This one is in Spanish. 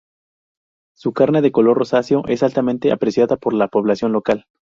Su carne de color rosáceo es altamente apreciada por la población local.